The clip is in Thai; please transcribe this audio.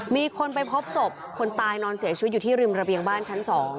มีคนไปพบศพคนตายนอนเสียชีวิตอยู่ที่ริมระเบียงบ้านชั้น๒